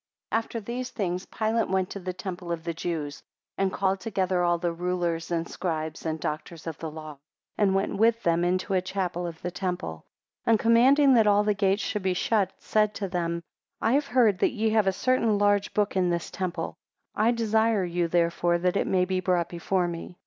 AFTER these things Pilate went to the temple of the Jews, and called together all the rulers and scribes, and doctors of the law, and went with them into a chapel of the temple. 2 And commanding that all the gates should be shut, said to them, I have heard that ye have a certain large book in this temple; I desire you, therefore, that it may be brought before me.